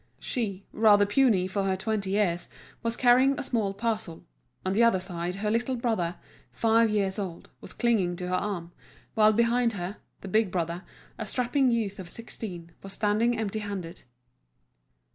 She, rather puny for her twenty years, was carrying a small parcel; on the other side, her little brother, five years old, was clinging to her arm; while behind her, the big brother, a strapping youth of sixteen, was standing empty handed.